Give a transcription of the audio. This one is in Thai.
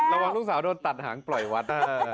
ระหว่างลูกสาวโดนตัดหางปล่อยวัด